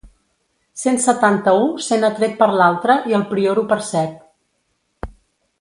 Cent setanta-u sent atret per l'altre i el prior ho percep.